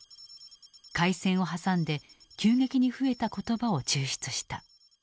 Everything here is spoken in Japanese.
開戦を挟んで急激に増えた言葉を抽出した。